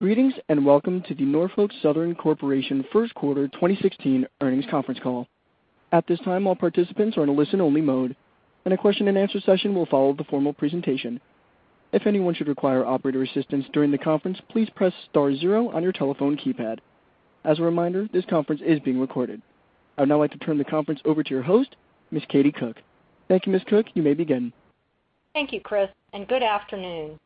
Greetings, welcome to the Norfolk Southern Corporation first quarter 2016 earnings conference call. At this time, all participants are in a listen-only mode, and a question and answer session will follow the formal presentation. If anyone should require operator assistance during the conference, please press star zero on your telephone keypad. As a reminder, this conference is being recorded. I would now like to turn the conference over to your host, Ms. Katie Cook. Thank you, Ms. Cook. You may begin. Thank you, Chris, and good afternoon.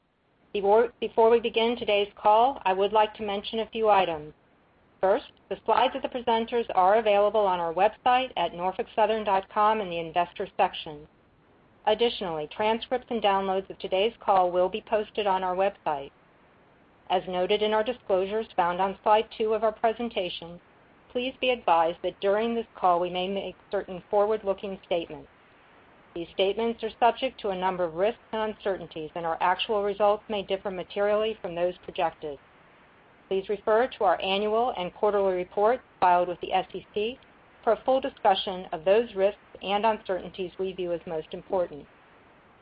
Before we begin today's call, I would like to mention a few items. First, the slides of the presenters are available on our website at norfolksouthern.com in the Investors section. Additionally, transcripts and downloads of today's call will be posted on our website. As noted in our disclosures found on slide two of our presentation, please be advised that during this call, we may make certain forward-looking statements. These statements are subject to a number of risks and uncertainties, our actual results may differ materially from those projected. Please refer to our annual and quarterly reports filed with the SEC for a full discussion of those risks and uncertainties we view as most important.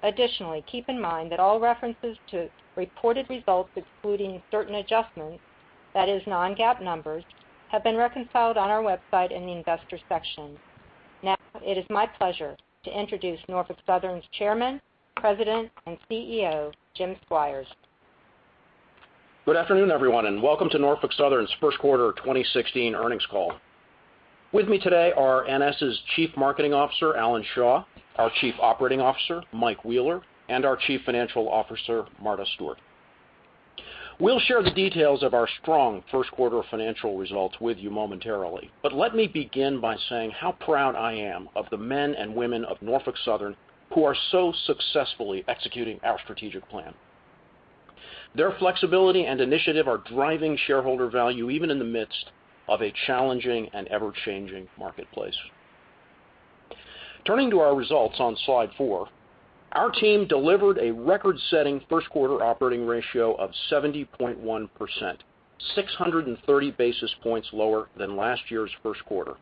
Additionally, keep in mind that all references to reported results excluding certain adjustments, that is non-GAAP numbers, have been reconciled on our website in the Investors section. It is my pleasure to introduce Norfolk Southern's Chairman, President, and CEO, Jim Squires. Good afternoon, everyone, welcome to Norfolk Southern's first quarter 2016 earnings call. With me today are NS's Chief Marketing Officer, Alan Shaw, our Chief Operating Officer, Mike Wheeler, and our Chief Financial Officer, Marta Stewart. We'll share the details of our strong first quarter financial results with you momentarily, let me begin by saying how proud I am of the men and women of Norfolk Southern who are so successfully executing our strategic plan. Their flexibility and initiative are driving shareholder value even in the midst of a challenging and ever-changing marketplace. Turning to our results on slide four, our team delivered a record-setting first quarter operating ratio of 70.1%, 630 basis points lower than last year's first quarter.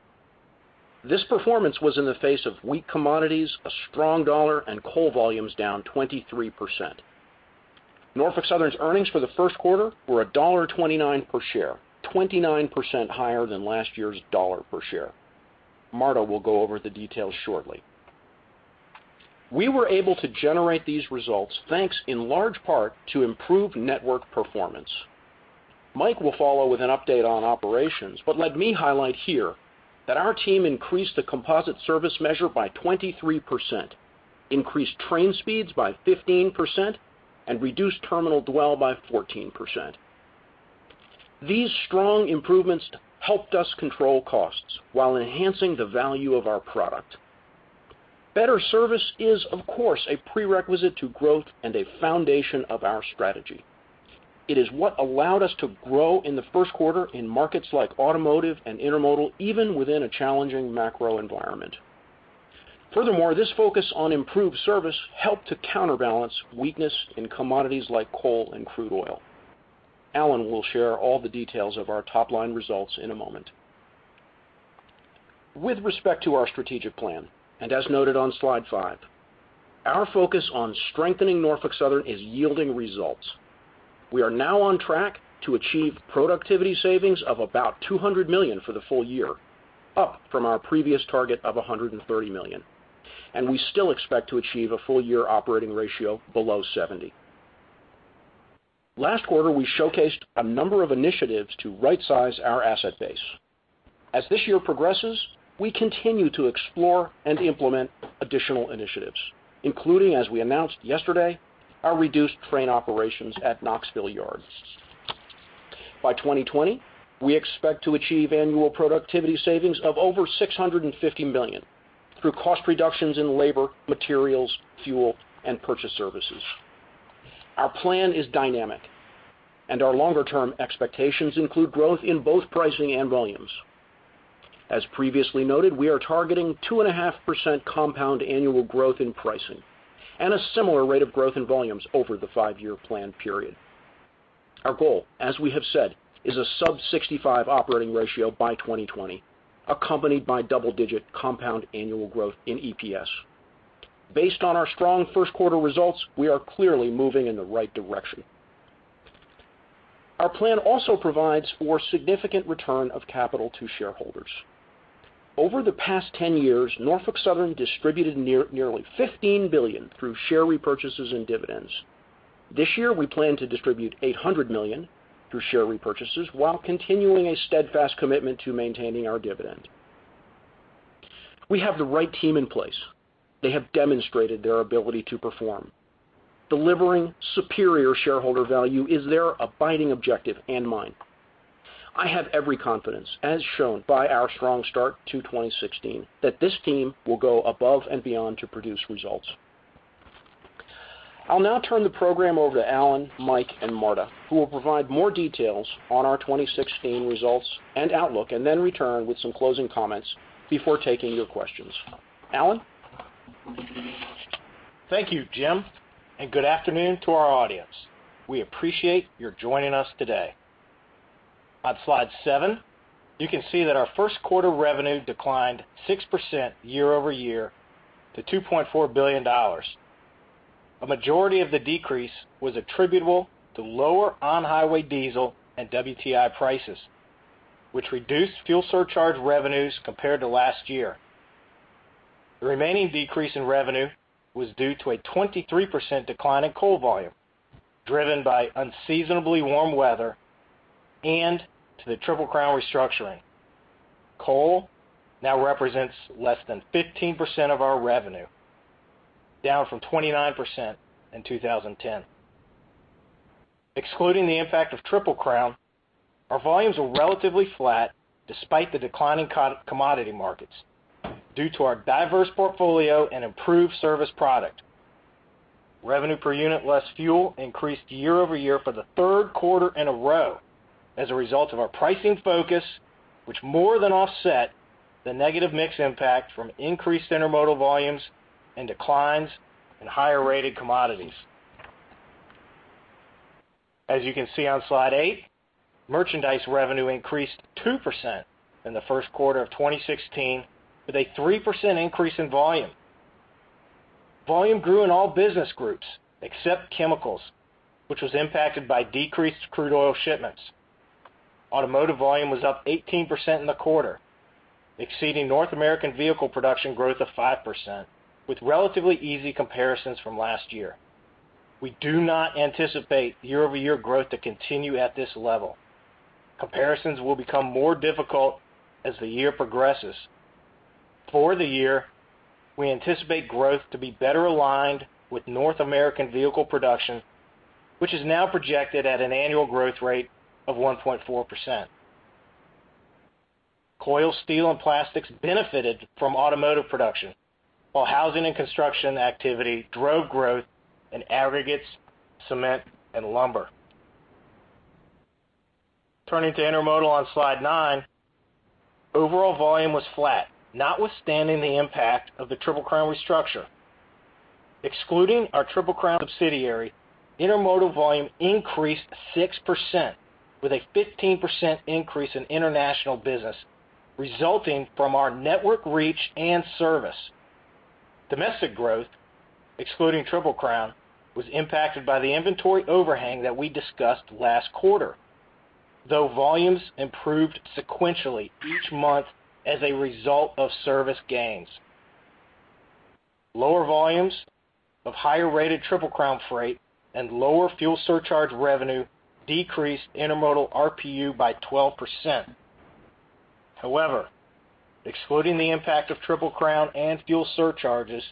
This performance was in the face of weak commodities, a strong dollar, and coal volumes down 23%. Norfolk Southern's earnings for the first quarter were $1.29 per share, 29% higher than last year's dollar per share. Marta will go over the details shortly. We were able to generate these results thanks in large part to improved network performance. Mike will follow with an update on operations, but let me highlight here that our team increased the composite service measure by 23%, increased train speeds by 15%, and reduced terminal dwell by 14%. These strong improvements helped us control costs while enhancing the value of our product. Better service is, of course, a prerequisite to growth and a foundation of our strategy. It is what allowed us to grow in the first quarter in markets like automotive and intermodal, even within a challenging macro environment. This focus on improved service helped to counterbalance weakness in commodities like coal and crude oil. Alan will share all the details of our top-line results in a moment. With respect to our strategic plan, as noted on slide five, our focus on strengthening Norfolk Southern is yielding results. We are now on track to achieve productivity savings of about $200 million for the full year, up from our previous target of $130 million, we still expect to achieve a full-year operating ratio below 70. Last quarter, we showcased a number of initiatives to rightsize our asset base. As this year progresses, we continue to explore and implement additional initiatives, including, as we announced yesterday, our reduced train operations at Knoxville Yards. By 2020, we expect to achieve annual productivity savings of over $650 million through cost reductions in labor, materials, fuel, and purchase services. Our plan is dynamic, our longer-term expectations include growth in both pricing and volumes. As previously noted, we are targeting 2.5% compound annual growth in pricing and a similar rate of growth in volumes over the five-year plan period. Our goal, as we have said, is a sub 65 operating ratio by 2020, accompanied by double-digit compound annual growth in EPS. Based on our strong first quarter results, we are clearly moving in the right direction. Our plan also provides for significant return of capital to shareholders. Over the past 10 years, Norfolk Southern distributed nearly $15 billion through share repurchases and dividends. This year, we plan to distribute $800 million through share repurchases while continuing a steadfast commitment to maintaining our dividend. We have the right team in place. They have demonstrated their ability to perform. Delivering superior shareholder value is their abiding objective and mine. I have every confidence, as shown by our strong start to 2016, that this team will go above and beyond to produce results. I'll now turn the program over to Alan, Mike, and Marta, who will provide more details on our 2016 results and outlook then return with some closing comments before taking your questions. Alan? Thank you, Jim, and good afternoon to our audience. We appreciate your joining us today. On slide seven, you can see that our first quarter revenue declined 6% year-over-year to $2.4 billion. A majority of the decrease was attributable to lower on-highway diesel and WTI prices, which reduced fuel surcharge revenues compared to last year. The remaining decrease in revenue was due to a 23% decline in coal volume, driven by unseasonably warm weather and to the Triple Crown restructuring. Coal now represents less than 15% of our revenue, down from 29% in 2010. Excluding the impact of Triple Crown, our volumes were relatively flat despite the decline in commodity markets due to our diverse portfolio and improved service product. Revenue per unit less fuel increased year-over-year for the third quarter in a row as a result of our pricing focus, which more than offset the negative mix impact from increased intermodal volumes and declines in higher-rated commodities. As you can see on slide eight, merchandise revenue increased 2% in the first quarter of 2016 with a 3% increase in volume. Volume grew in all business groups except chemicals, which was impacted by decreased crude oil shipments. Automotive volume was up 18% in the quarter, exceeding North American vehicle production growth of 5%, with relatively easy comparisons from last year. We do not anticipate year-over-year growth to continue at this level. Comparisons will become more difficult as the year progresses. For the year, we anticipate growth to be better aligned with North American vehicle production, which is now projected at an annual growth rate of 1.4%. Coil steel and plastics benefited from automotive production, while housing and construction activity drove growth in aggregates, cement, and lumber. Turning to intermodal on slide nine, overall volume was flat, notwithstanding the impact of the Triple Crown restructure. Excluding our Triple Crown subsidiary, intermodal volume increased 6% with a 15% increase in international business, resulting from our network reach and service. Domestic growth, excluding Triple Crown, was impacted by the inventory overhang that we discussed last quarter. Though volumes improved sequentially each month as a result of service gains. Lower volumes of higher-rated Triple Crown freight and lower fuel surcharge revenue decreased intermodal RPU by 12%. However, excluding the impact of Triple Crown and fuel surcharges,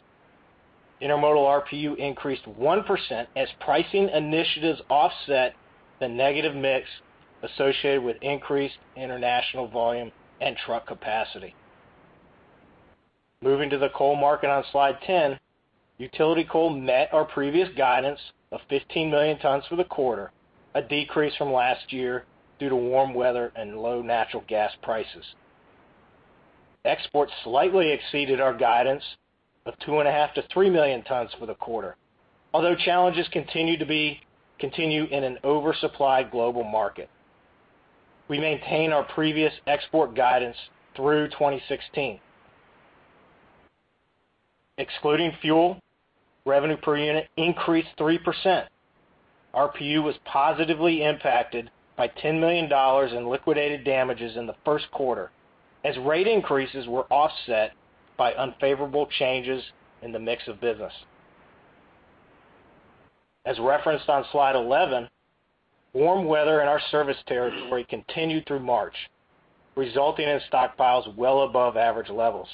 intermodal RPU increased 1% as pricing initiatives offset the negative mix associated with increased international volume and truck capacity. Moving to the coal market on slide 10, utility coal met our previous guidance of 15 million tons for the quarter, a decrease from last year due to warm weather and low natural gas prices. Exports slightly exceeded our guidance of two and a half to 3 million tons for the quarter, although challenges continue in an oversupply global market. We maintain our previous export guidance through 2016. Excluding fuel, revenue per unit increased 3%. RPU was positively impacted by $10 million in liquidated damages in the first quarter as rate increases were offset by unfavorable changes in the mix of business. As referenced on slide 11, warm weather in our service territory continued through March, resulting in stockpiles well above average levels.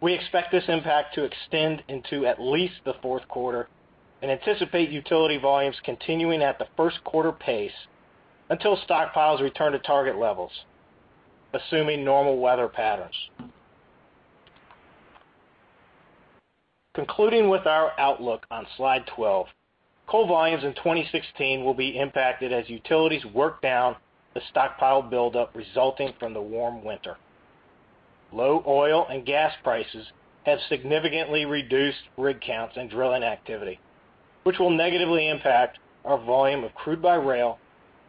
We expect this impact to extend into at least the fourth quarter and anticipate utility volumes continuing at the first quarter pace until stockpiles return to target levels, assuming normal weather patterns. Concluding with our outlook on Slide 12, coal volumes in 2016 will be impacted as utilities work down the stockpile buildup resulting from the warm winter. Low oil and gas prices have significantly reduced rig counts and drilling activity, which will negatively impact our volume of crude by rail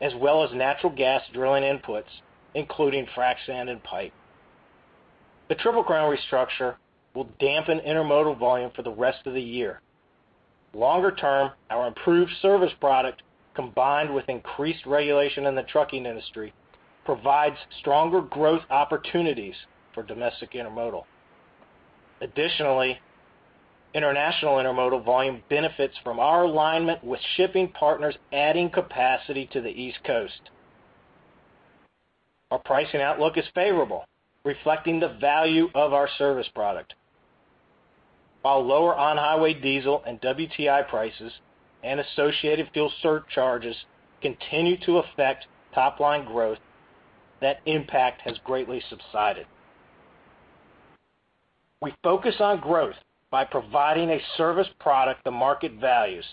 as well as natural gas drilling inputs, including frac sand and pipe. The Triple Crown restructure will dampen intermodal volume for the rest of the year. Longer term, our improved service product, combined with increased regulation in the trucking industry, provides stronger growth opportunities for domestic intermodal. Additionally, international intermodal volume benefits from our alignment with shipping partners adding capacity to the East Coast. Our pricing outlook is favorable, reflecting the value of our service product. While lower on-highway diesel and WTI prices and associated fuel surcharges continue to affect top-line growth, that impact has greatly subsided. We focus on growth by providing a service product the market values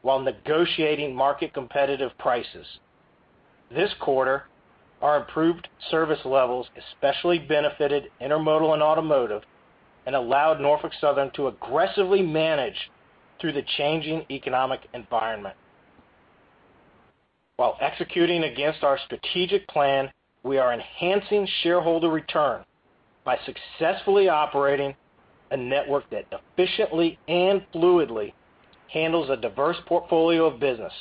while negotiating market competitive prices. This quarter, our improved service levels especially benefited intermodal and automotive allowed Norfolk Southern to aggressively manage through the changing economic environment. While executing against our strategic plan, we are enhancing shareholder return by successfully operating a network that efficiently and fluidly handles a diverse portfolio of business.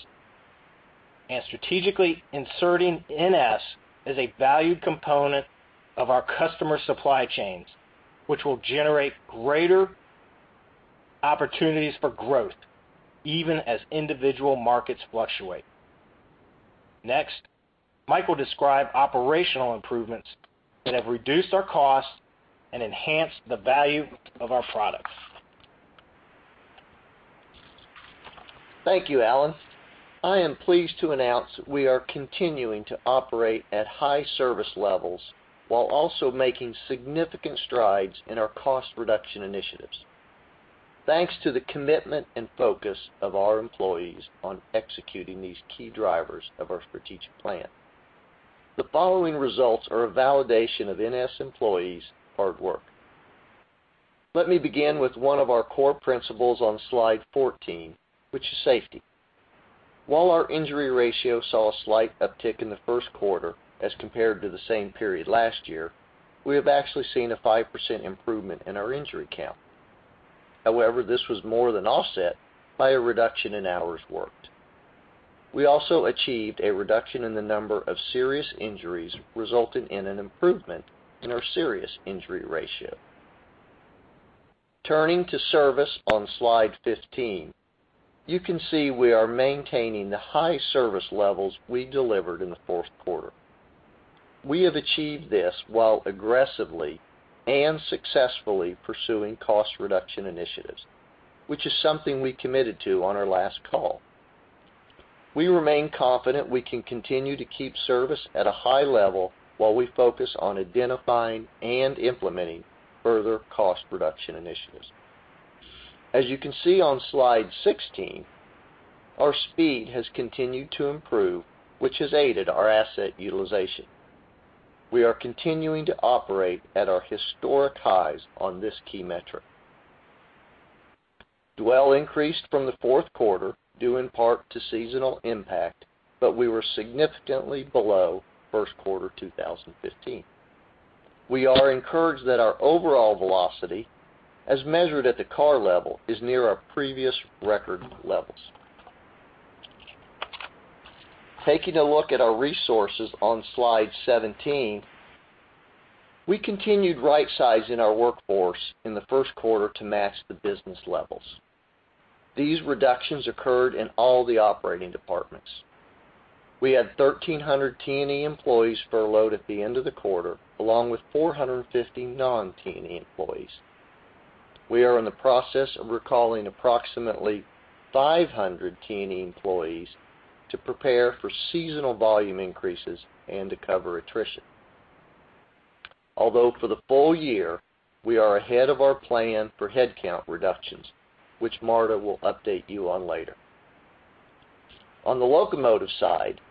strategically inserting NS as a valued component of our customer supply chains, which will generate greater opportunities for growth even as individual markets fluctuate. Next, Mike will describe operational improvements that have reduced our costs and enhanced the value of our products. Thank you, Alan. I am pleased to announce we are continuing to operate at high service levels while also making significant strides in our cost reduction initiatives. Thanks to the commitment and focus of our employees on executing these key drivers of our strategic plan. The following results are a validation of NS employees' hard work. Let me begin with one of our core principles on slide 14, which is safety. While our injury ratio saw a slight uptick in the first quarter as compared to the same period last year, we have actually seen a 5% improvement in our injury count. However, this was more than offset by a reduction in hours worked. We also achieved a reduction in the number of serious injuries, resulting in an improvement in our serious injury ratio. Turning to service on slide 15, you can see we are maintaining the high service levels we delivered in the fourth quarter. We have achieved this while aggressively and successfully pursuing cost reduction initiatives, which is something we committed to on our last call. We remain confident we can continue to keep service at a high level while we focus on identifying and implementing further cost reduction initiatives. As you can see on slide 16, our speed has continued to improve, which has aided our asset utilization. We are continuing to operate at our historic highs on this key metric. Dwell increased from the fourth quarter, due in part to seasonal impact, but we were significantly below first quarter 2015. We are encouraged that our overall velocity, as measured at the car level, is near our previous record levels. Taking a look at our resources on slide 17, we continued rightsizing our workforce in the first quarter to match the business levels. These reductions occurred in all the operating departments. We had 1,300 T&E employees furloughed at the end of the quarter, along with 450 non-T&E employees. We are in the process of recalling approximately 500 T&E employees to prepare for seasonal volume increases and to cover attrition. For the full year, we are ahead of our plan for headcount reductions, which Marta will update you on later. On the locomotive side,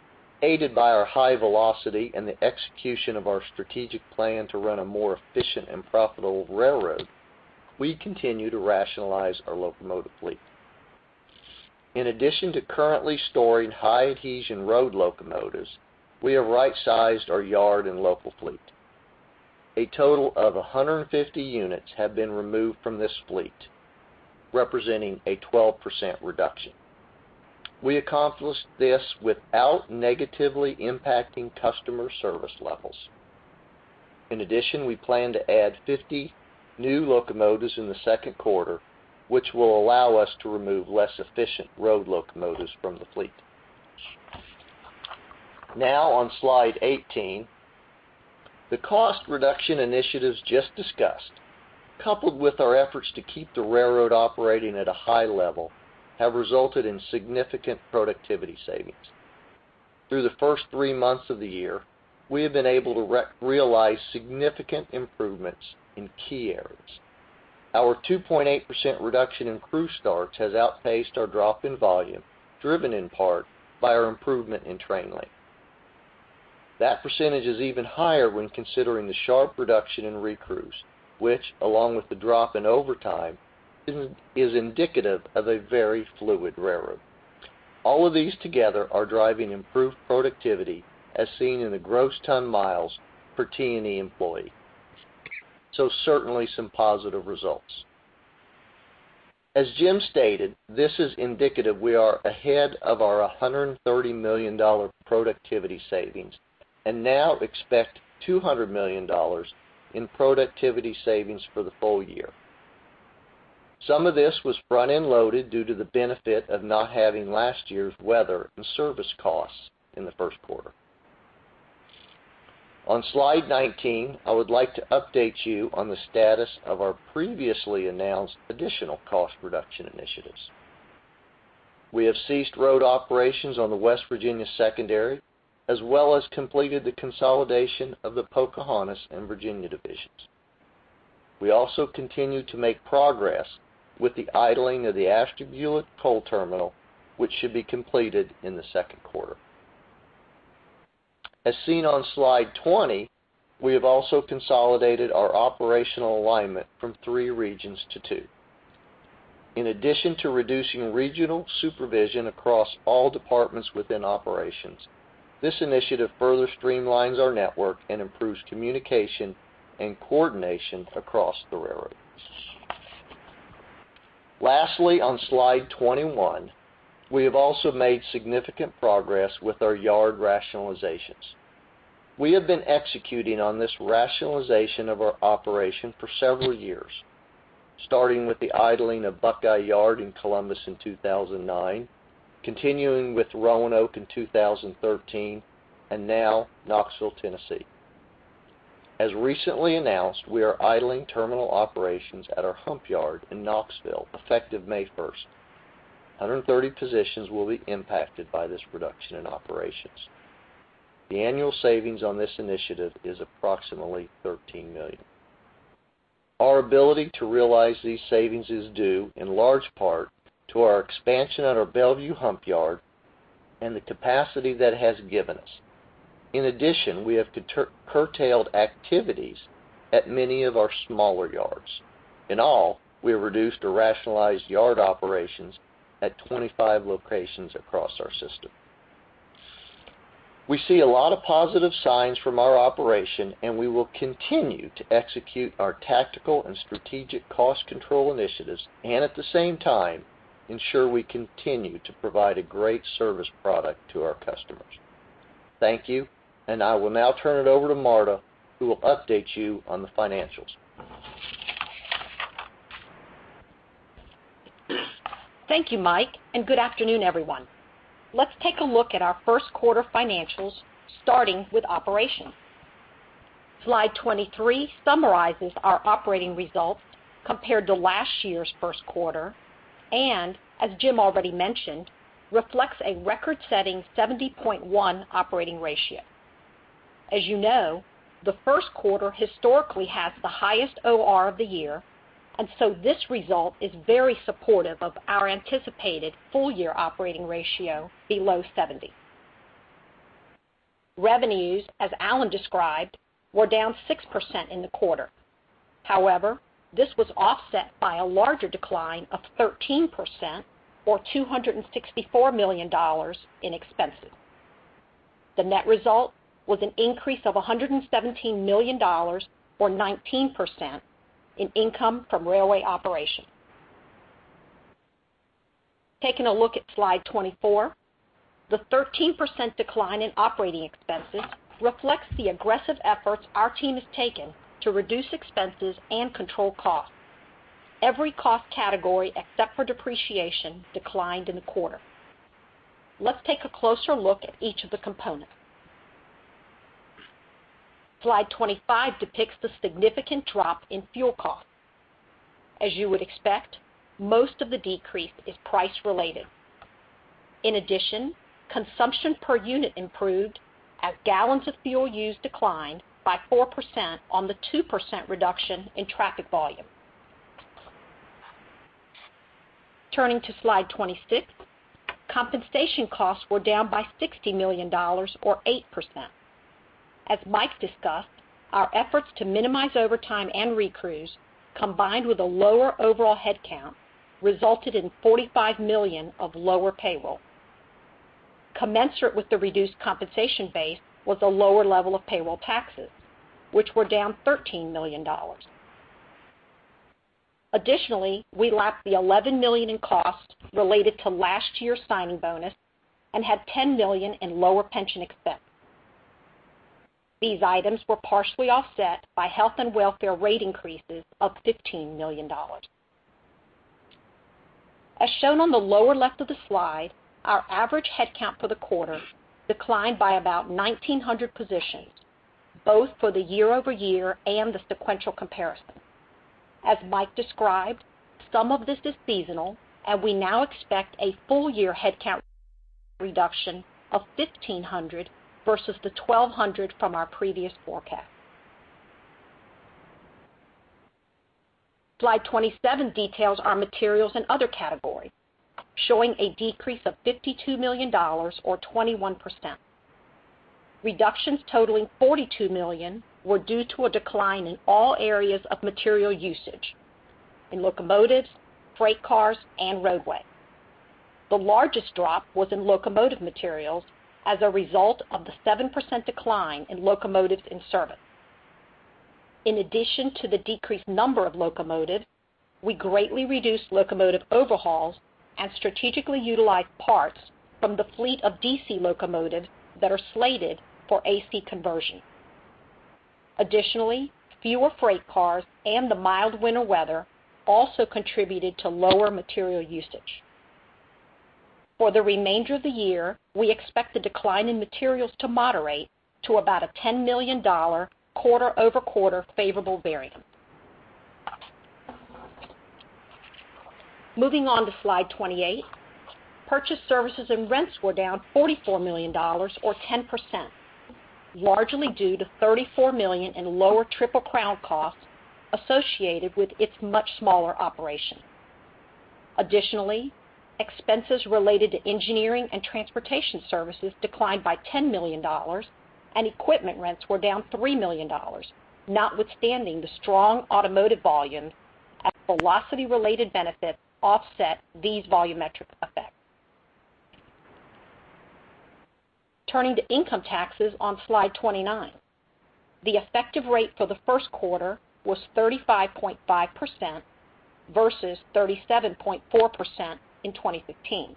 aided by our high velocity and the execution of our strategic plan to run a more efficient and profitable railroad, we continue to rationalize our locomotive fleet. In addition to currently storing high adhesion road locomotives, we have right-sized our yard and local fleet. A total of 150 units have been removed from this fleet, representing a 12% reduction. We accomplished this without negatively impacting customer service levels. In addition, we plan to add 50 new locomotives in the second quarter, which will allow us to remove less efficient road locomotives from the fleet. On slide 18, the cost reduction initiatives just discussed, coupled with our efforts to keep the railroad operating at a high level, have resulted in significant productivity savings. Through the first three months of the year, we have been able to realize significant improvements in key areas. Our 2.8% reduction in crew starts has outpaced our drop in volume, driven in part by our improvement in train length. That percentage is even higher when considering the sharp reduction in recrews, which along with the drop in overtime, is indicative of a very fluid railroad. All of these together are driving improved productivity, as seen in the gross ton-miles per T&E employee. Certainly some positive results. As Jim stated, this is indicative we are ahead of our $130 million productivity savings, and now expect $200 million in productivity savings for the full year. Some of this was front-end loaded due to the benefit of not having last year's weather and service costs in the first quarter. On slide 19, I would like to update you on the status of our previously announced additional cost reduction initiatives. We have ceased road operations on the West Virginia secondary, as well as completed the consolidation of the Pocahontas and Virginia divisions. We also continue to make progress with the idling of the Ashtabula coal terminal, which should be completed in the second quarter. As seen on Slide 20, we have also consolidated our operational alignment from three regions to two. In addition to reducing regional supervision across all departments within operations, this initiative further streamlines our network and improves communication and coordination across the railroads. Lastly, on Slide 21, we have also made significant progress with our yard rationalizations. We have been executing on this rationalization of our operation for several years, starting with the idling of Buckeye Yard in Columbus in 2009, continuing with Roanoke in 2013, and now Knoxville, Tennessee. As recently announced, we are idling terminal operations at our hump yard in Knoxville, effective May 1st. 130 positions will be impacted by this reduction in operations. The annual savings on this initiative is approximately $13 million. Our ability to realize these savings is due, in large part, to our expansion at our Bellevue hump yard and the capacity that has given us. In addition, we have curtailed activities at many of our smaller yards. In all, we have reduced or rationalized yard operations at 25 locations across our system. We will continue to execute our tactical and strategic cost control initiatives, and at the same time, ensure we continue to provide a great service product to our customers. Thank you, and I will now turn it over to Marta, who will update you on the financials. Thank you, Mike. Good afternoon, everyone. Let's take a look at our first quarter financials, starting with operations. Slide 23 summarizes our operating results compared to last year's first quarter, and as Jim already mentioned, reflects a record-setting 70.1 operating ratio. As you know, the first quarter historically has the highest OR of the year. This result is very supportive of our anticipated full-year operating ratio below 70. Revenues, as Alan described, were down 6% in the quarter. However, this was offset by a larger decline of 13%, or $264 million in expenses. The net result was an increase of $117 million or 19% in income from railway operation. Taking a look at Slide 24, the 13% decline in operating expenses reflects the aggressive efforts our team has taken to reduce expenses and control costs. Every cost category except for depreciation declined in the quarter. Let's take a closer look at each of the components. Slide 25 depicts the significant drop in fuel costs. As you would expect, most of the decrease is price related. In addition, consumption per unit improved as gallons of fuel used declined by 4% on the 2% reduction in traffic volume. Turning to Slide 26, compensation costs were down by $60 million or 8%. As Mike discussed, our efforts to minimize overtime and recrews, combined with a lower overall headcount, resulted in $45 million of lower payroll. Commensurate with the reduced compensation base was a lower level of payroll taxes, which were down $13 million. Additionally, we lacked the $11 million in costs related to last year's signing bonus and had $10 million in lower pension expense. These items were partially offset by health and welfare rate increases of $15 million. As shown on the lower left of the slide, our average headcount for the quarter declined by about 1,900 positions, both for the year-over-year and the sequential comparison. As Mike described, some of this is seasonal, and we now expect a full-year headcount reduction of 1,500 versus the 1,200 from our previous forecast. Slide 27 details our materials and other categories, showing a decrease of $52 million or 21%. Reductions totaling $42 million were due to a decline in all areas of material usage, in locomotives, freight cars, and roadway. The largest drop was in locomotive materials as a result of the 7% decline in locomotives in service. In addition to the decreased number of locomotives, we greatly reduced locomotive overhauls and strategically utilized parts from the fleet of DC locomotives that are slated for AC conversion. Fewer freight cars and the mild winter weather also contributed to lower material usage. For the remainder of the year, we expect the decline in materials to moderate to about a $10 million quarter-over-quarter favorable variance. Moving on to Slide 28, purchased services and rents were down $44 million or 10%, largely due to $34 million in lower Triple Crown costs associated with its much smaller operation. Expenses related to engineering and transportation services declined by $10 million, and equipment rents were down $3 million, notwithstanding the strong automotive volume as velocity-related benefits offset these volumetric effects. Turning to income taxes on Slide 29. The effective rate for the first quarter was 35.5% versus 37.4% in 2015.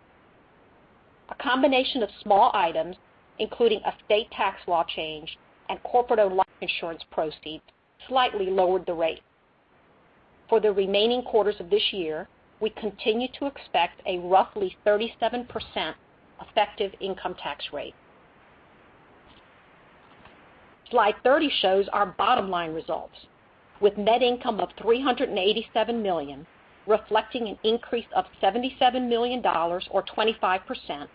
A combination of small items, including a state tax law change and corporate-owned life insurance proceeds, slightly lowered the rate. For the remaining quarters of this year, we continue to expect a roughly 37% effective income tax rate. Slide 30 shows our bottom-line results, with net income of $387 million, reflecting an increase of $77 million or 25%,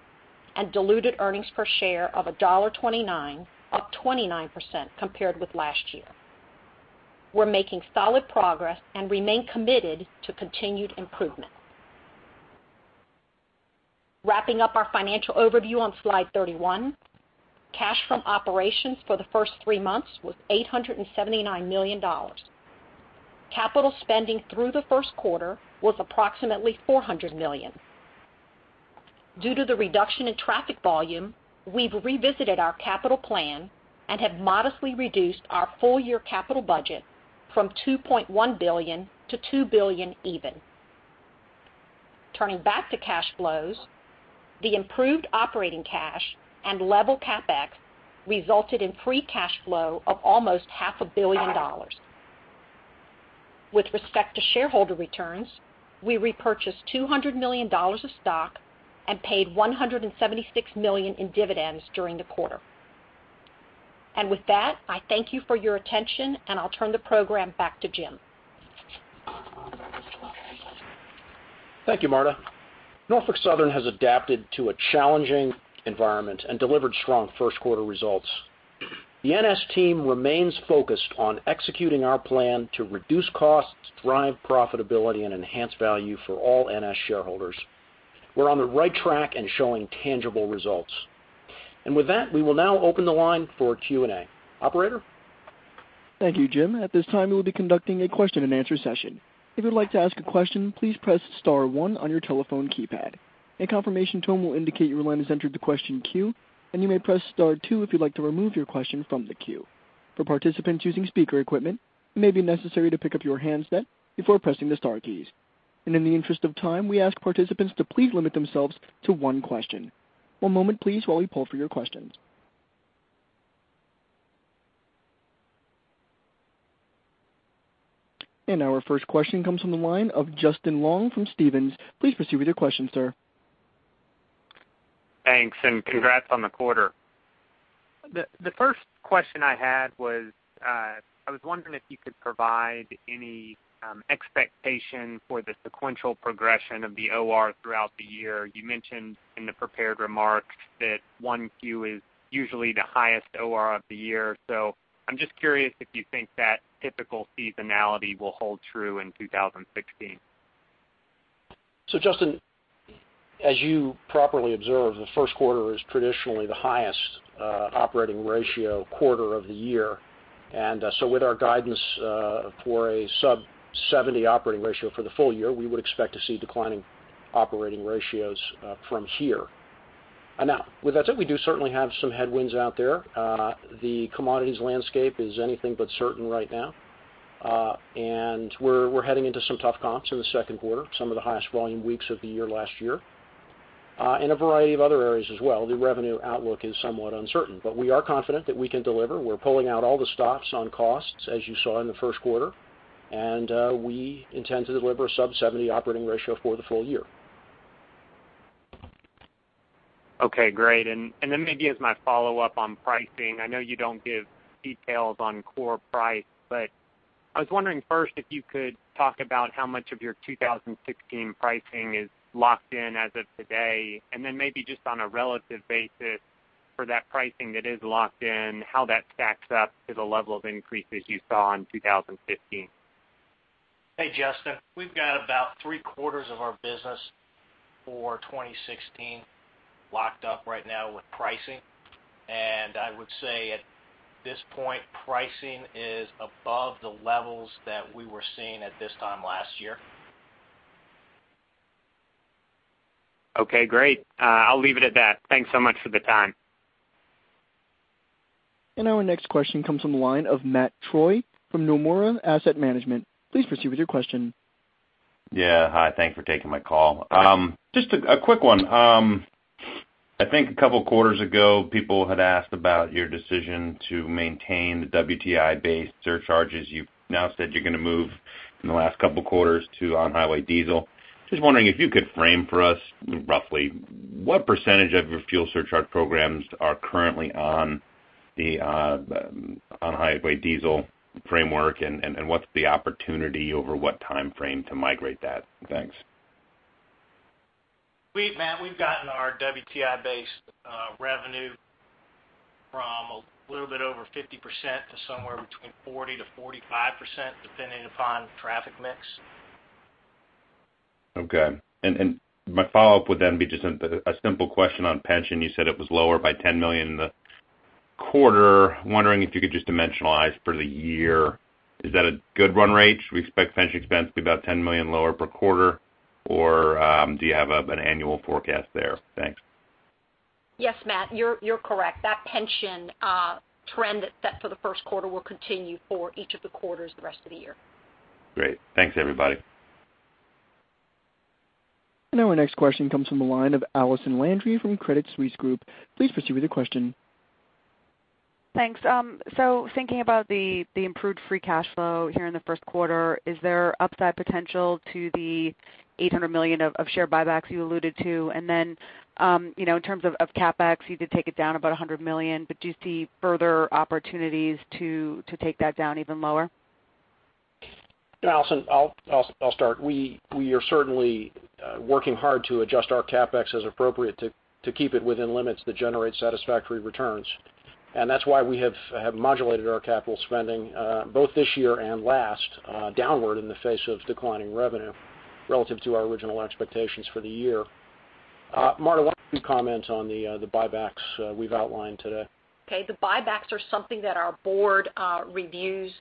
and diluted earnings per share of $1.29, up 29% compared with last year. We're making solid progress and remain committed to continued improvement. Wrapping up our financial overview on Slide 31, cash from operations for the first three months was $879 million. Capital spending through the first quarter was approximately $400 million. Due to the reduction in traffic volume, we've revisited our capital plan and have modestly reduced our full-year capital budget from $2.1 billion to $2 billion even. Turning back to cash flows, the improved operating cash and level CapEx resulted in free cash flow of almost half a billion dollars. With respect to shareholder returns, we repurchased $200 million of stock and paid $176 million in dividends during the quarter. With that, I thank you for your attention, and I'll turn the program back to Jim. Thank you, Marta. Norfolk Southern has adapted to a challenging environment and delivered strong first-quarter results. The NS team remains focused on executing our plan to reduce costs, drive profitability, and enhance value for all NS shareholders. We're on the right track and showing tangible results. With that, we will now open the line for Q&A. Operator? Thank you, Jim. At this time, we'll be conducting a question-and-answer session. If you'd like to ask a question, please press *1 on your telephone keypad. A confirmation tone will indicate your line has entered the question queue, and you may press *2 if you'd like to remove your question from the queue. For participants using speaker equipment, it may be necessary to pick up your handset before pressing the star keys. In the interest of time, we ask participants to please limit themselves to one question. One moment, please, while we poll for your questions. Our first question comes from the line of Justin Long from Stephens. Please proceed with your question, sir. Thanks, congrats on the quarter. The first question I had was, I was wondering if you could provide any expectation for the sequential progression of the OR throughout the year. You mentioned in the prepared remarks that 1Q is usually the highest OR of the year. I'm just curious if you think that typical seasonality will hold true in 2016. Justin, as you properly observed, the first quarter is traditionally the highest operating ratio quarter of the year. With our guidance for a sub 70 operating ratio for the full year, we would expect to see declining operating ratios from here. With that said, we do certainly have some headwinds out there. The commodities landscape is anything but certain right now. We're heading into some tough comps in the second quarter, some of the highest volume weeks of the year last year. In a variety of other areas as well, the revenue outlook is somewhat uncertain. We are confident that we can deliver. We're pulling out all the stops on costs, as you saw in the first quarter, we intend to deliver a sub 70 operating ratio for the full year. Okay, great. Then maybe as my follow-up on pricing, I know you don't give details on core price, but I was wondering first if you could talk about how much of your 2016 pricing is locked in as of today, and then maybe just on a relative basis for that pricing that is locked in, how that stacks up to the level of increases you saw in 2015. Hey, Justin. We've got about three-quarters of our business for 2016 locked up right now with pricing. I would say at this point, pricing is above the levels that we were seeing at this time last year. Okay, great. I'll leave it at that. Thanks so much for the time. Our next question comes from the line of Matthew Troy from Nomura Asset Management. Please proceed with your question. Yeah. Hi, thanks for taking my call. Just a quick one. I think a couple of quarters ago, people had asked about your decision to maintain the WTI-based surcharges. You've now said you're going to move in the last couple of quarters to on-highway diesel. Just wondering if you could frame for us, roughly what percentage of your fuel surcharge programs are currently on the on-highway diesel framework, and what's the opportunity over what timeframe to migrate that? Thanks. Matt, we've gotten our WTI base revenue from a little bit over 50% to somewhere between 40%-45%, depending upon traffic mix. Okay. My follow-up would be just a simple question on pension. You said it was lower by $10 million in the quarter. Wondering if you could just dimensionalize for the year, is that a good run rate? Should we expect pension expense to be about $10 million lower per quarter, or do you have an annual forecast there? Thanks. Yes, Matt, you're correct. That pension trend that set for the first quarter will continue for each of the quarters the rest of the year. Great. Thanks, everybody. Our next question comes from the line of Allison Landry from Credit Suisse Group. Please proceed with your question. Thanks. Thinking about the improved free cash flow here in the first quarter, is there upside potential to the $800 million of share buybacks you alluded to? In terms of CapEx, you did take it down about $100 million, do you see further opportunities to take that down even lower? Allison, I'll start. We are certainly working hard to adjust our CapEx as appropriate to keep it within limits that generate satisfactory returns. That's why we have modulated our capital spending, both this year and last, downward in the face of declining revenue relative to our original expectations for the year. Marta, why don't you comment on the buybacks we've outlined today? Okay. The buybacks are something that our board reviews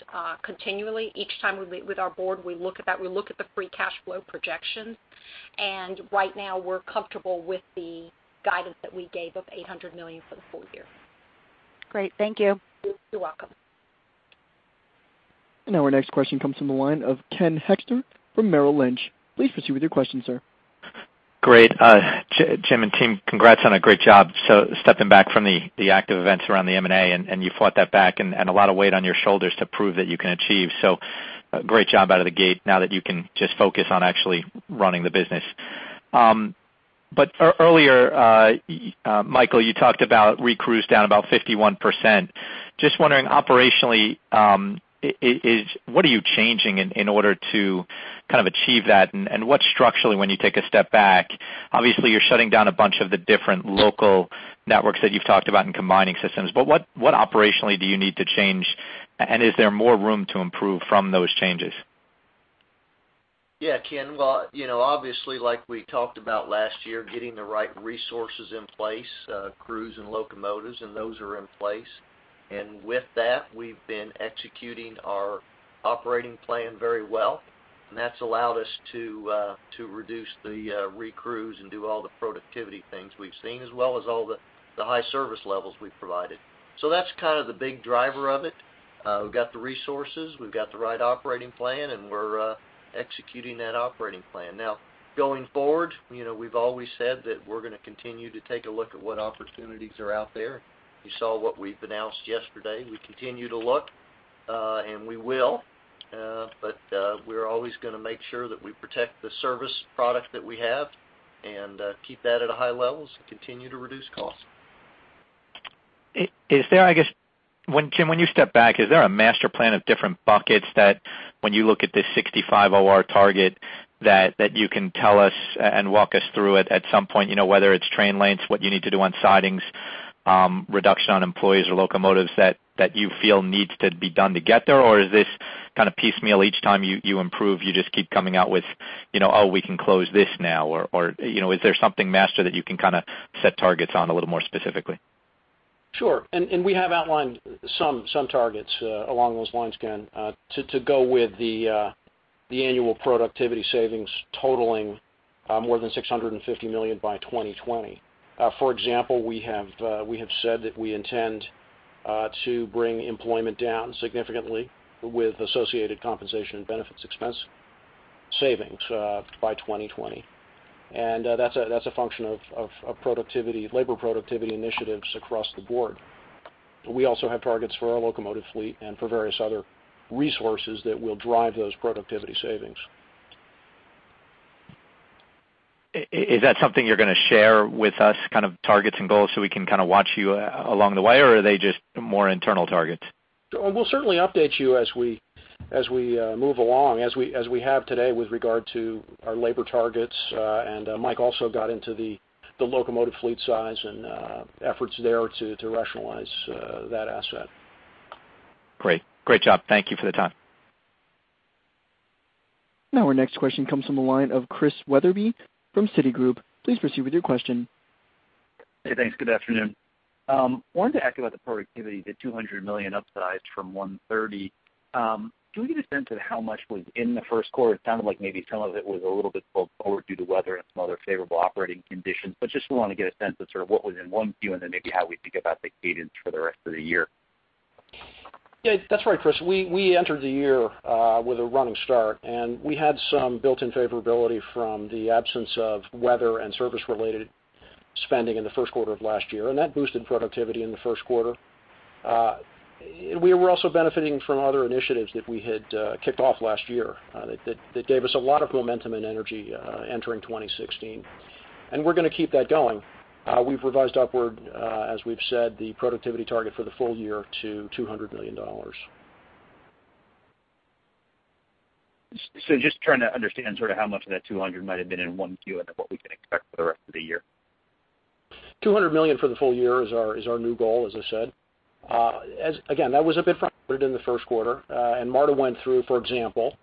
continually. Each time we meet with our board, we look at that. We look at the free cash flow projections. Right now we're comfortable with the guidance that we gave of $800 million for the full year. Great. Thank you. You're welcome. Our next question comes from the line of Ken Hoexter from Merrill Lynch. Please proceed with your question, sir. Great. Jim and team, congrats on a great job stepping back from the active events around the M&A, you fought that back and a lot of weight on your shoulders to prove that you can achieve. Great job out of the gate now that you can just focus on actually running the business. Earlier, Michael, you talked about re-crews down about 51%. Just wondering operationally, what are you changing in order to achieve that and what structurally when you take a step back, obviously you're shutting down a bunch of the different local networks that you've talked about and combining systems, but what operationally do you need to change and is there more room to improve from those changes? Yeah, Ken. Obviously like we talked about last year, getting the right resources in place, crews and locomotives, and those are in place. With that, we've been executing our operating plan very well, and that's allowed us to reduce the re-crews and do all the productivity things we've seen as well as all the high service levels we've provided. That's the big driver of it. We've got the resources, we've got the right operating plan, and we're executing that operating plan. Going forward, we've always said that we're going to continue to take a look at what opportunities are out there. You saw what we've announced yesterday. We continue to look, and we will, but we're always going to make sure that we protect the service product that we have and keep that at a high level as we continue to reduce costs. Is there, I guess, Jim, when you step back, is there a master plan of different buckets that when you look at this 65 OR target that you can tell us and walk us through it at some point, whether it's train lengths, what you need to do on sidings, reduction on employees or locomotives that you feel needs to be done to get there? Is this piecemeal each time you improve, you just keep coming out with, "Oh, we can close this now." Is there something master that you can set targets on a little more specifically? Sure. We have outlined some targets along those lines, Ken, to go with the annual productivity savings totaling more than $650 million by 2020. For example, we have said that we intend to bring employment down significantly with associated compensation and benefits expense savings by 2020. That's a function of labor productivity initiatives across the board. We also have targets for our locomotive fleet and for various other resources that will drive those productivity savings. Is that something you're going to share with us, targets and goals, so we can watch you along the way, or are they just more internal targets? We'll certainly update you as we move along, as we have today with regard to our labor targets. Mike also got into the locomotive fleet size and efforts there to rationalize that asset. Great. Great job. Thank you for the time. Our next question comes from the line of Christian Wetherbee from Citigroup. Please proceed with your question. Hey, thanks. Good afternoon. I wanted to ask you about the productivity, the $200 million upsized from $130. Can we get a sense of how much was in the first quarter? It sounded like maybe some of it was a little bit pulled forward due to weather and some other favorable operating conditions, just want to get a sense of sort of what was in 1Q and then maybe how we think about the cadence for the rest of the year. Yeah, that's right, Chris. We entered the year with a running start, and we had some built-in favorability from the absence of weather and service-related spending in the first quarter of last year, and that boosted productivity in the first quarter. We were also benefiting from other initiatives that we had kicked off last year that gave us a lot of momentum and energy entering 2016, and we're going to keep that going. We've revised upward, as we've said, the productivity target for the full year to $200 million. I'm just trying to understand how much of that $200 million might have been in 1Q and then what we can expect for the rest of the year. $200 million for the full year is our new goal, as I said. Again, that was a bit front-loaded in the first quarter. Marta went through, for example,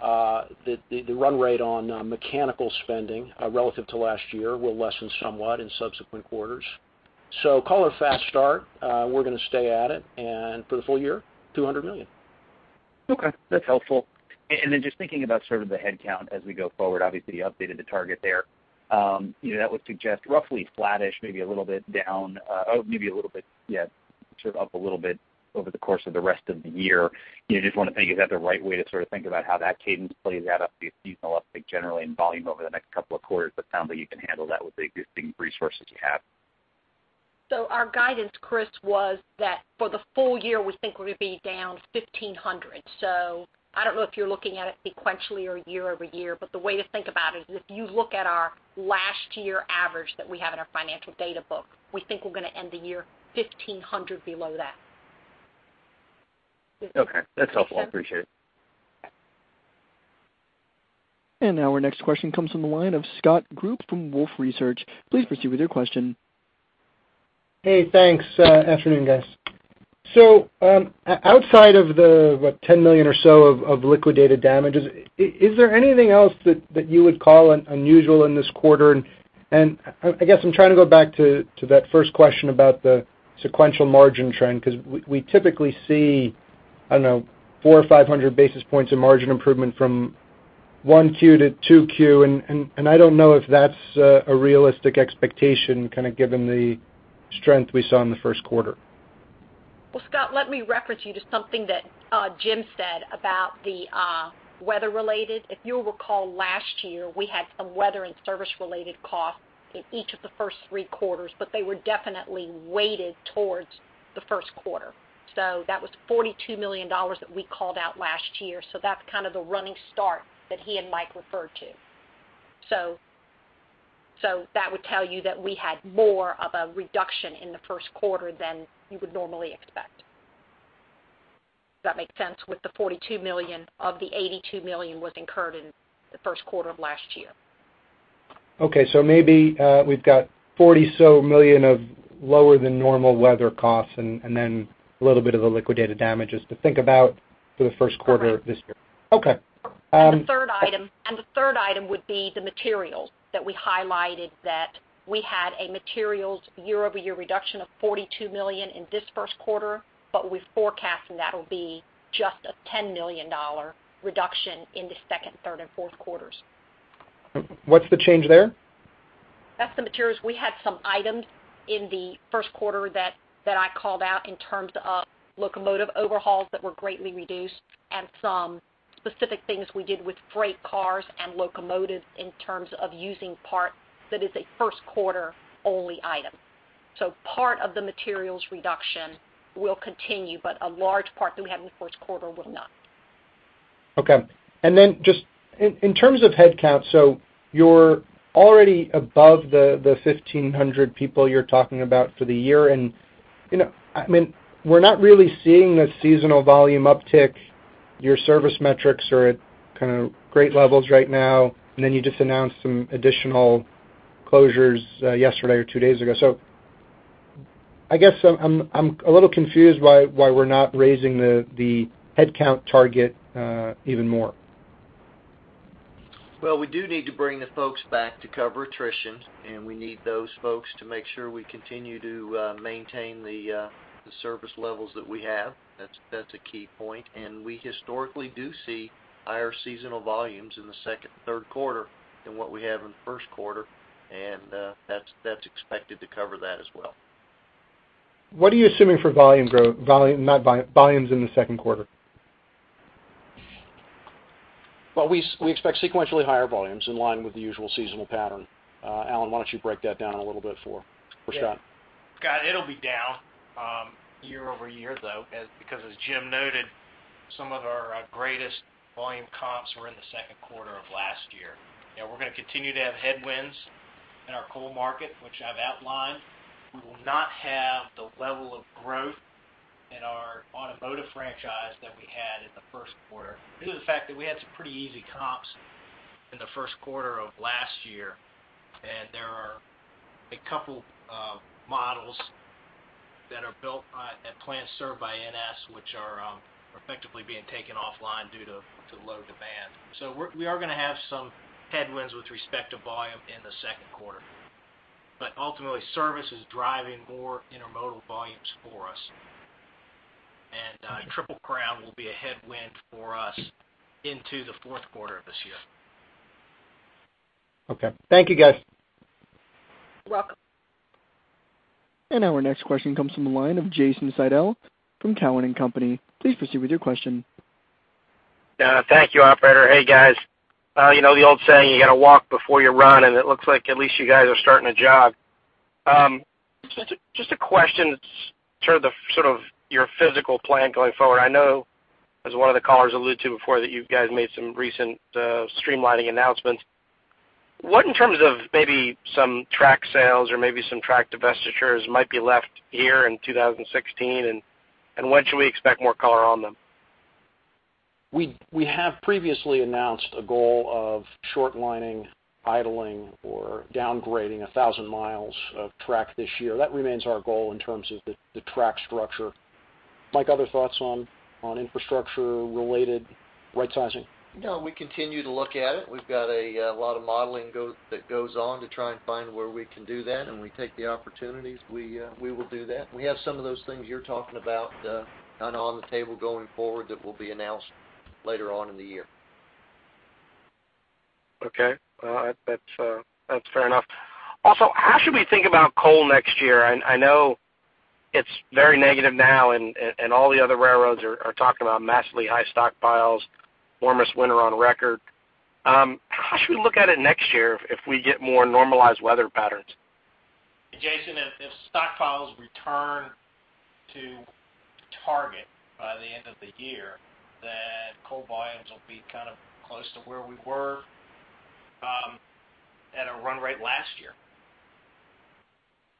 the run rate on mechanical spending relative to last year will lessen somewhat in subsequent quarters. Call it a fast start. We're going to stay at it, and for the full year, $200 million. Okay. That's helpful. Just thinking about sort of the headcount as we go forward, obviously you updated the target there. That would suggest roughly flattish, maybe a little bit down, maybe a little bit up over the course of the rest of the year. Just want to think, is that the right way to think about how that cadence plays out, obviously a seasonal uptick generally in volume over the next couple of quarters, but it sounds like you can handle that with the existing resources you have? Our guidance, Chris, was that for the full year, we think we're going to be down 1,500. I don't know if you're looking at it sequentially or year-over-year, but the way to think about it is if you look at our last year average that we have in our financial data book, we think we're going to end the year 1,500 below that. Okay. That's helpful. Appreciate it. Our next question comes from the line of Scott Group from Wolfe Research. Please proceed with your question. Hey, thanks. Afternoon, guys. Outside of the $10 million or so of liquidated damages, is there anything else that you would call unusual in this quarter? I guess I'm trying to go back to that first question about the sequential margin trend, because we typically see, I don't know, 400 or 500 basis points of margin improvement from 1Q to 2Q, and I don't know if that's a realistic expectation, given the strength we saw in the first quarter. Well, Scott, let me reference you to something that Jim said about the weather-related. If you'll recall, last year, we had some weather and service-related costs in each of the first three quarters, but they were definitely weighted towards the first quarter. That was $42 million that we called out last year. That's kind of the running start that he and Mike referred to. That would tell you that we had more of a reduction in the first quarter than you would normally expect. Does that make sense with the $42 million of the $82 million was incurred in the first quarter of last year? Okay. Maybe we've got $40-so million of lower than normal weather costs and then a little bit of the liquidated damages to think about for the first quarter of this year. Correct. Okay. The third item would be the materials that we highlighted that we had a materials year-over-year reduction of $42 million in this first quarter, we're forecasting that'll be just a $10 million reduction in the second, third, and fourth quarters. What's the change there? That's the materials. We had some items in the first quarter that I called out in terms of locomotive overhauls that were greatly reduced and some specific things we did with freight cars and locomotives in terms of using parts that is a first quarter only item. Part of the materials reduction will continue, but a large part that we had in the first quarter will not. Okay. Just in terms of headcount, so you're already above the 1,500 people you're talking about for the year, and we're not really seeing the seasonal volume uptick. Your service metrics are at kind of great levels right now, and then you just announced some additional closures yesterday or two days ago. I guess I'm a little confused why we're not raising the headcount target even more. Well, we do need to bring the folks back to cover attrition, and we need those folks to make sure we continue to maintain the service levels that we have. That's a key point, and we historically do see higher seasonal volumes in the second and third quarter than what we have in the first quarter, and that's expected to cover that as well. What are you assuming for volumes in the second quarter? Well, we expect sequentially higher volumes in line with the usual seasonal pattern. Alan, why don't you break that down a little bit for Scott? Scott, it'll be down year-over-year, though, because as Jim noted, some of our greatest volume comps were in the second quarter of last year. We're going to continue to have headwinds in our coal market, which I've outlined. We will not have the level of growth in our automotive franchise that we had in the first quarter due to the fact that we had some pretty easy comps in the first quarter of last year. There are a couple of models that are built at plants served by NS, which are effectively being taken offline due to low demand. We are going to have some headwinds with respect to volume in the second quarter. Ultimately, service is driving more intermodal volumes for us. Triple Crown will be a headwind for us into the fourth quarter of this year. Okay. Thank you, guys. You're welcome. Our next question comes from the line of Jason Seidl from Cowen and Company. Please proceed with your question. Thank you, operator. Hey, guys. You know the old saying, you got to walk before you run, and it looks like at least you guys are starting to jog. Just a question that's sort of your physical plan going forward. I know, as one of the callers alluded to before, that you guys made some recent streamlining announcements. What in terms of maybe some track sales or maybe some track divestitures might be left here in 2016, and when should we expect more color on them? We have previously announced a goal of short lining, idling, or downgrading 1,000 miles of track this year. That remains our goal in terms of the track structure. Mike, other thoughts on infrastructure-related rightsizing? No, we continue to look at it. We've got a lot of modeling that goes on to try and find where we can do that, and we take the opportunities. We will do that. We have some of those things you're talking about on the table going forward that will be announced later on in the year. Okay. That's fair enough. Also, how should we think about coal next year? I know it's very negative now, and all the other railroads are talking about massively high stockpiles, warmest winter on record. How should we look at it next year if we get more normalized weather patterns? Jason, if stockpiles return to target by the end of the year, coal volumes will be close to where we were at a run rate last year,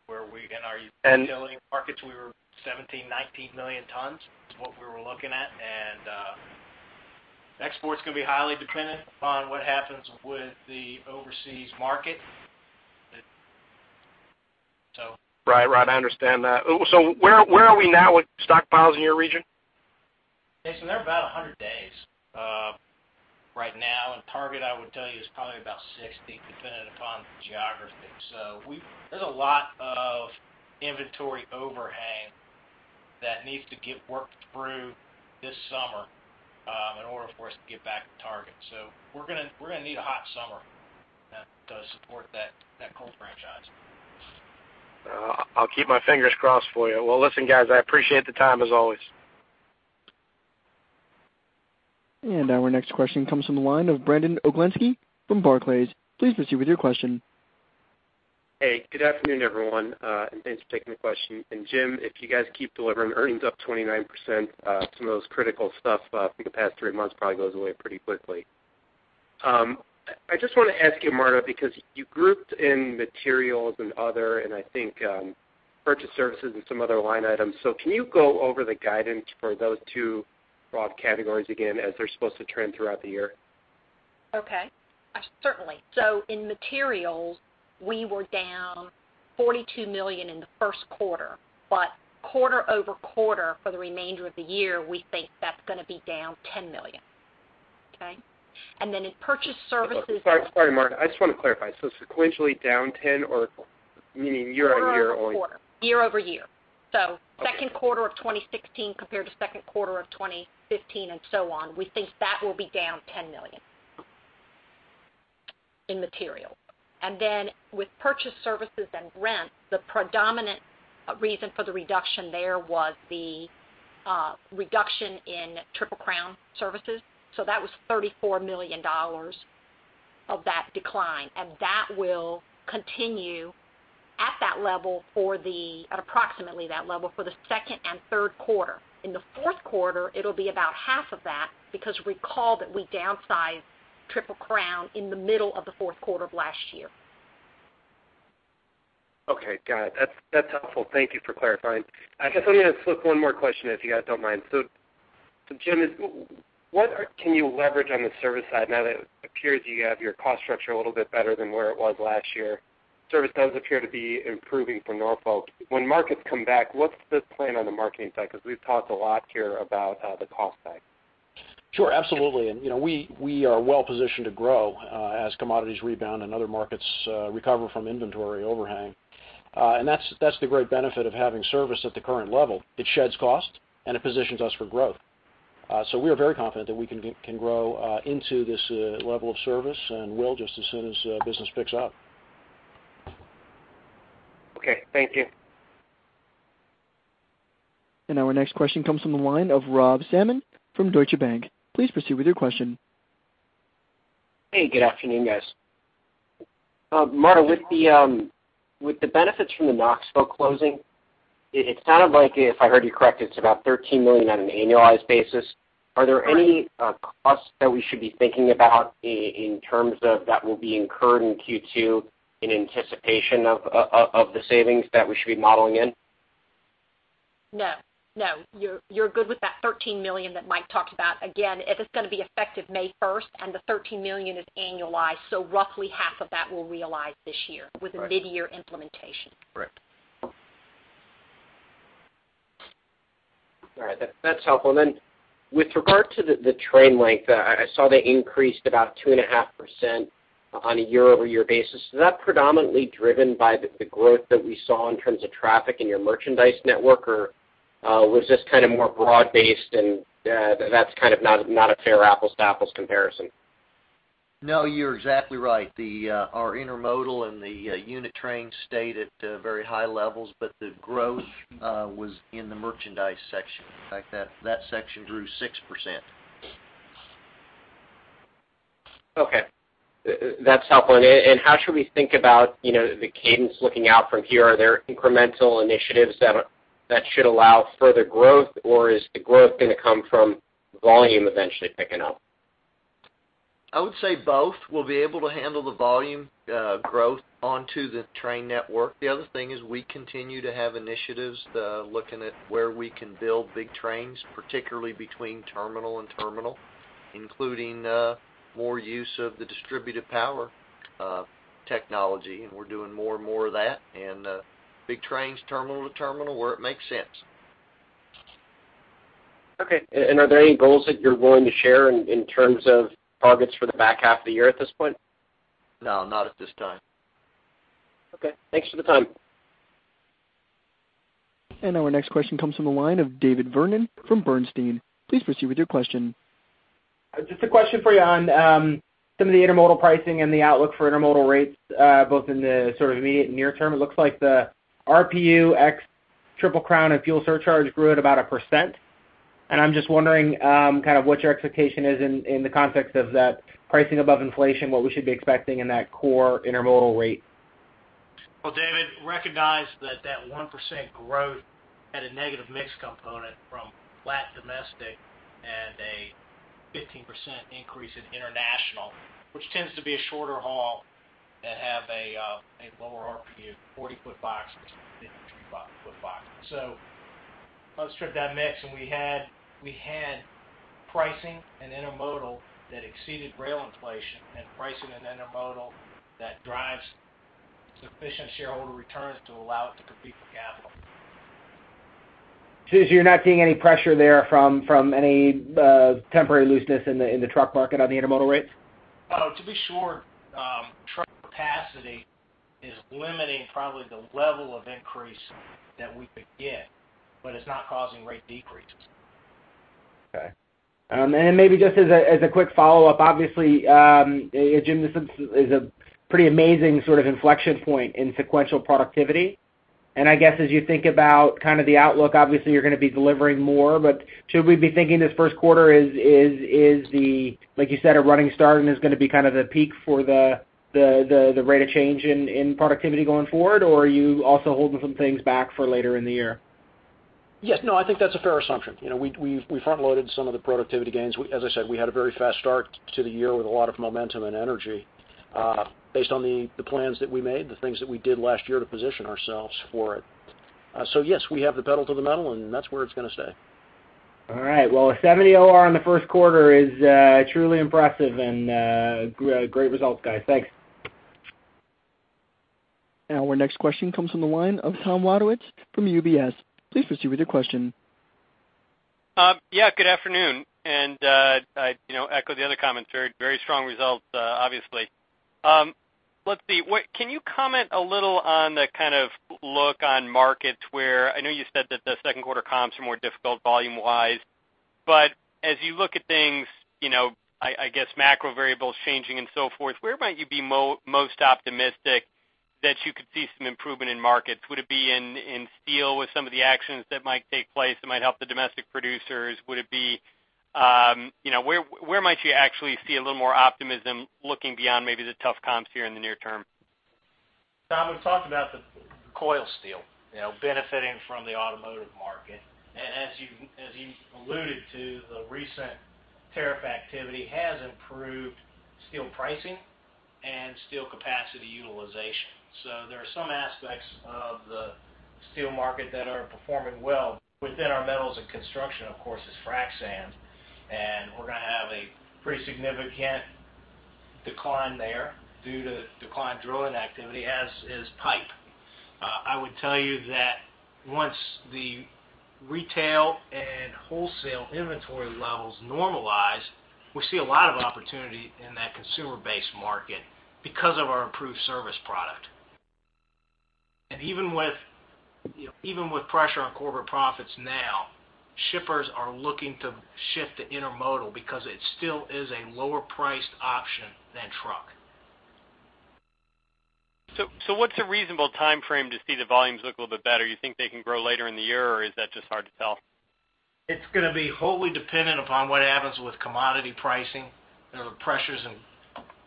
where in our utility markets, we were 17, 19 million tons, is what we were looking at. Exports could be highly dependent upon what happens with the overseas market. Right. I understand that. Where are we now with stockpiles in your region? Jason, they're about 100 days right now, and target, I would tell you, is probably about 60, dependent upon geography. There's a lot of inventory overhang that needs to get worked through this summer in order for us to get back to target. We're going to need a hot summer to support that coal franchise. I'll keep my fingers crossed for you. Well, listen, guys, I appreciate the time, as always. Our next question comes from the line of Brandon Oglenski from Barclays. Please proceed with your question. Hey, good afternoon, everyone. Thanks for taking the question. Jim, if you guys keep delivering earnings up 29%, some of the most critical stuff from the past three months probably goes away pretty quickly. I just want to ask you, Marta, because you grouped in materials and other and I think purchase services and some other line items. Can you go over the guidance for those two broad categories again, as they're supposed to trend throughout the year? Certainly. In materials, we were down $42 million in the first quarter-over-quarter for the remainder of the year, we think that's going to be down $10 million. Okay? In purchase services- Sorry, Marta, I just want to clarify. Sequentially down 10 or meaning year-over-year? Quarter over quarter. Year over year. Okay. Second quarter of 2016 compared to second quarter of 2015 and so on, we think that will be down $10 million in material. With purchase services and rent, the predominant reason for the reduction there was the reduction in Triple Crown Services. That was $34 million of that decline, and that will continue at approximately that level for the second and third quarter. In the fourth quarter, it'll be about half of that because recall that we downsized Triple Crown in the middle of the fourth quarter of last year. Okay, got it. That's helpful. Thank you for clarifying. I guess I'm going to slip one more question, if you guys don't mind. Jim, what can you leverage on the service side now that it appears you have your cost structure a little bit better than where it was last year? Service does appear to be improving for Norfolk. When markets come back, what's the plan on the marketing side? Because we've talked a lot here about the cost side. Sure, absolutely. We are well positioned to grow as commodities rebound and other markets recover from inventory overhang. That's the great benefit of having service at the current level. It sheds cost and it positions us for growth. We are very confident that we can grow into this level of service and will just as soon as business picks up. Okay. Thank you. Our next question comes from the line of Robert Salmon from Deutsche Bank. Please proceed with your question. Hey, good afternoon, guys. Marta, with the benefits from the Knoxville closing, it sounded like, if I heard you correct, it's about $13 million on an annualized basis. Are there any costs that we should be thinking about in terms of that will be incurred in Q2 in anticipation of the savings that we should be modeling in? No. You're good with that $13 million that Mike talked about. It is going to be effective May 1st and the $13 million is annualized, roughly half of that will realize this year with a mid-year implementation. Correct. All right. That's helpful. With regard to the train length, I saw they increased about 2.5% on a year-over-year basis. Is that predominantly driven by the growth that we saw in terms of traffic in your merchandise network, or was this more broad based and that's kind of not a fair apples to apples comparison? No, you're exactly right. Our intermodal and the unit trains stayed at very high levels, the growth was in the merchandise section. In fact, that section grew 6%. Okay. That's helpful. How should we think about the cadence looking out from here? Are there incremental initiatives that should allow further growth, or is the growth going to come from The volume eventually picking up I would say both. We'll be able to handle the volume growth onto the train network. The other thing is we continue to have initiatives, looking at where we can build big trains, particularly between terminal and terminal, including more use of the distributed power technology, and we're doing more and more of that, and big trains terminal to terminal where it makes sense. Okay. Are there any goals that you're willing to share in terms of targets for the back half of the year at this point? No, not at this time. Okay. Thanks for the time. Our next question comes from the line of David Vernon from Bernstein. Please proceed with your question. Just a question for you on some of the intermodal pricing and the outlook for intermodal rates, both in the sort of immediate near term. It looks like the RPU ex Triple Crown and fuel surcharge grew at about 1%. I'm just wondering, kind of what your expectation is in the context of that pricing above inflation, what we should be expecting in that core intermodal rate. Well, David, recognize that that 1% growth had a negative mix component from flat domestic and a 15% increase in international, which tends to be a shorter haul and have a lower RPU, 40-foot box versus 50-foot box. Let's strip that mix, we had pricing and intermodal that exceeded rail inflation and pricing and intermodal that drives sufficient shareholder returns to allow it to compete for capital. You're not seeing any pressure there from any temporary looseness in the truck market on the intermodal rates? No, to be sure, truck capacity is limiting probably the level of increase that we could get, but it's not causing rate decreases. Okay. Maybe just as a quick follow-up, obviously, Jim, this is a pretty amazing sort of inflection point in sequential productivity. I guess as you think about kind of the outlook, obviously, you're going to be delivering more, but should we be thinking this first quarter is the, like you said, a running start and is going to be kind of the peak for the rate of change in productivity going forward? Are you also holding some things back for later in the year? Yes. No, I think that's a fair assumption. We front-loaded some of the productivity gains. As I said, we had a very fast start to the year with a lot of momentum and energy, based on the plans that we made, the things that we did last year to position ourselves for it. Yes, we have the pedal to the metal, and that's where it's going to stay. All right. Well, a 70 OR in the first quarter is truly impressive and great results, guys. Thanks. Our next question comes from the line of Tom Wadewitz from UBS. Please proceed with your question. Yeah, good afternoon. I echo the other comments. Very strong results, obviously. Let's see. Can you comment a little on the kind of look on markets where I know you said that the second quarter comps are more difficult volume-wise, but as you look at things, I guess macro variables changing and so forth, where might you be most optimistic that you could see some improvement in markets? Would it be in steel with some of the actions that might take place that might help the domestic producers? Where might you actually see a little more optimism looking beyond maybe the tough comps here in the near term? Tom, we've talked about the coil steel benefiting from the automotive market. As you alluded to, the recent tariff activity has improved steel pricing and steel capacity utilization. There are some aspects of the steel market that are performing well within our metals and construction, of course, is frac sand. We're going to have a pretty significant decline there due to decline drilling activity, as is pipe. I would tell you that once the retail and wholesale inventory levels normalize, we see a lot of opportunity in that consumer-based market because of our improved service product. Even with pressure on corporate profits now, shippers are looking to shift to intermodal because it still is a lower priced option than truck. What's a reasonable timeframe to see the volumes look a little bit better? You think they can grow later in the year, or is that just hard to tell? It's going to be wholly dependent upon what happens with commodity pricing, the pressures in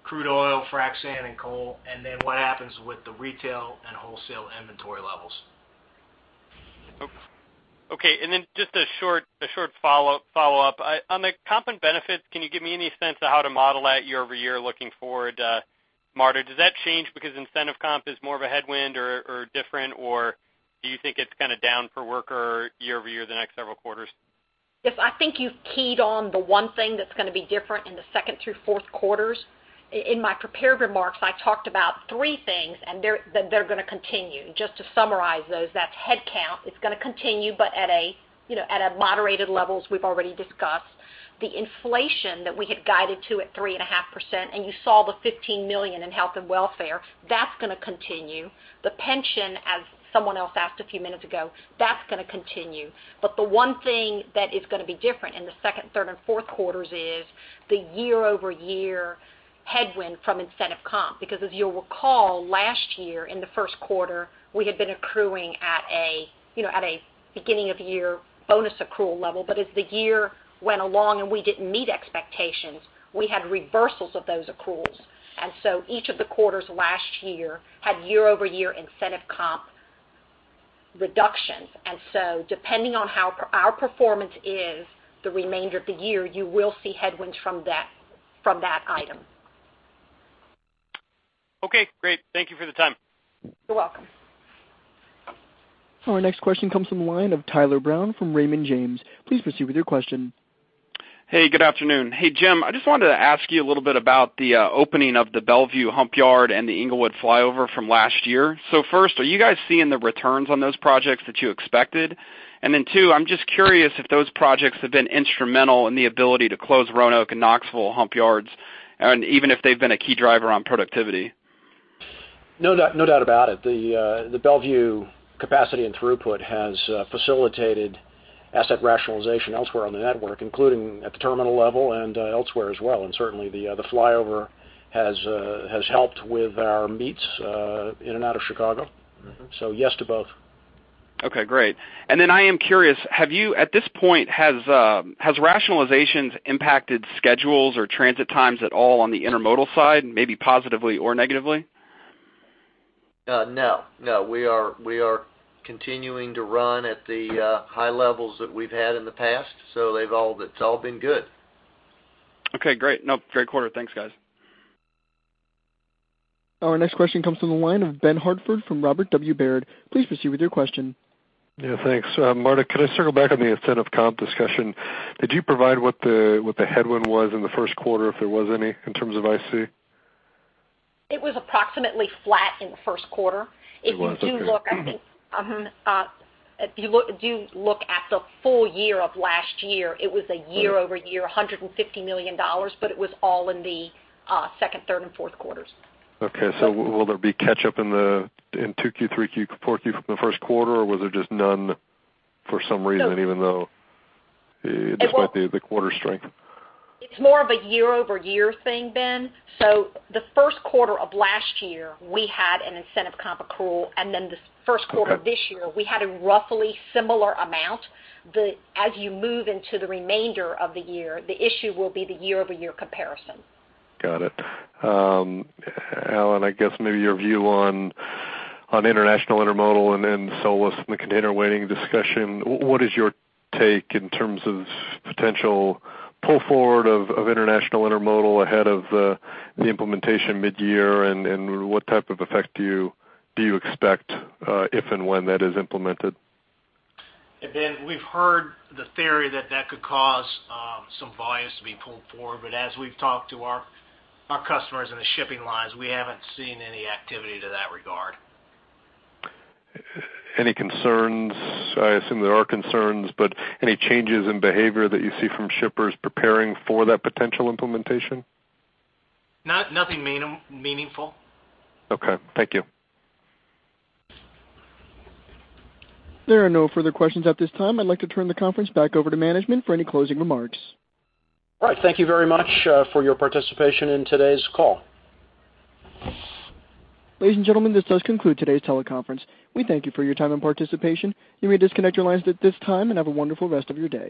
crude oil, frac sand, and coal, and then what happens with the retail and wholesale inventory levels. Just a short follow-up. On the comp and benefits, can you give me any sense of how to model that year-over-year looking forward, Marta? Does that change because incentive comp is more of a headwind or different, or do you think it's kind of down for worker year-over-year the next several quarters? Yes, I think you've keyed on the one thing that's going to be different in the second through fourth quarters. In my prepared remarks, I talked about three things. They're going to continue. Just to summarize those, that's headcount. It's going to continue, but at moderated levels we've already discussed. The inflation that we had guided to at 3.5%, and you saw the $15 million in health and welfare, that's going to continue. The pension, as someone else asked a few minutes ago, that's going to continue. The one thing that is going to be different in the second, third, and fourth quarters is the year-over-year headwind from incentive comp. As you'll recall, last year in the first quarter, we had been accruing at a beginning of year bonus accrual level. As the year went along and we didn't meet expectations, we had reversals of those accruals. Each of the quarters last year had year-over-year incentive comp reductions. Depending on how our performance is the remainder of the year, you will see headwinds from that item. Okay, great. Thank you for the time. You're welcome. Our next question comes from the line of Tyler Brown from Raymond James. Please proceed with your question. Hey, good afternoon. Hey, Jim, I just wanted to ask you a little bit about the opening of the Bellevue hump yard and the Englewood flyover from last year. First, are you guys seeing the returns on those projects that you expected? Then two, I'm just curious if those projects have been instrumental in the ability to close Roanoke and Knoxville hump yards, and even if they've been a key driver on productivity. No doubt about it. The Bellevue capacity and throughput has facilitated asset rationalization elsewhere on the network, including at the terminal level and elsewhere as well. Certainly, the flyover has helped with our meets in and out of Chicago. Yes to both. Okay, great. I am curious, have you, at this point, has rationalizations impacted schedules or transit times at all on the intermodal side, maybe positively or negatively? No. We are continuing to run at the high levels that we've had in the past. It's all been good. Okay, great. Nope, great quarter. Thanks, guys. Our next question comes from the line of Benjamin Hartford from Robert W. Baird. Please proceed with your question. Yeah, thanks. Marta, can I circle back on the incentive comp discussion? Did you provide what the headwind was in the first quarter, if there was any, in terms of IC? It was approximately flat in the first quarter. It was okay. If you do look at the full year of last year, it was a year-over-year $150 million, it was all in the second, third, and fourth quarters. Okay. Will there be catch-up in 2Q, 3Q, 4Q from the first quarter? Was there just none for some reason, even though despite the quarter strength? It's more of a year-over-year thing, Ben. The first quarter of last year, we had an incentive comp accrual, and the first quarter of this year, we had a roughly similar amount. As you move into the remainder of the year, the issue will be the year-over-year comparison. Got it. Alan, I guess maybe your view on international intermodal and SOLAS and the container weighting discussion. What is your take in terms of potential pull forward of international intermodal ahead of the implementation mid-year, and what type of effect do you expect, if and when that is implemented? Ben, we've heard the theory that that could cause some volumes to be pulled forward, but as we've talked to our customers and the shipping lines, we haven't seen any activity to that regard. Any concerns? I assume there are concerns, but any changes in behavior that you see from shippers preparing for that potential implementation? Nothing meaningful. Okay, thank you. There are no further questions at this time. I'd like to turn the conference back over to management for any closing remarks. All right. Thank you very much for your participation in today's call. Ladies and gentlemen, this does conclude today's teleconference. We thank you for your time and participation. You may disconnect your lines at this time, and have a wonderful rest of your day.